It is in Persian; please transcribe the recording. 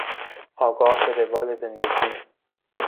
آگاه به روال زندگی